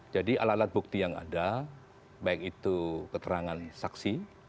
jadi alat alat bukti yang ada baik itu keterangan saksi